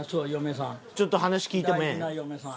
ちょっと話聞いてもええん？